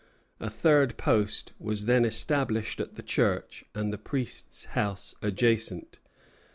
A third post was then established at the church and the priest's house adjacent.